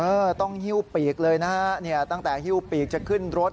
เออต้องหิ้วปีกเลยนะฮะเนี่ยตั้งแต่ฮิ้วปีกจะขึ้นรถ